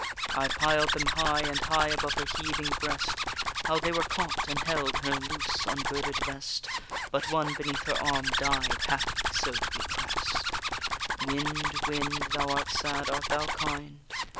I piled them high and high above her heaving breast, How they were caught and held in her loose ungirded vest! But one beneath her arm died, happy so to be prest! _Wind, wind! thou art sad, art thou kind?